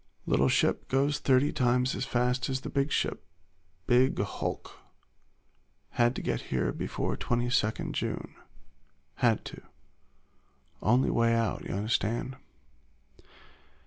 Little ship goes thirty times as fast as big ship big hulk. Had to get here before 22 June. Had to. Only way out, y'unnerstand.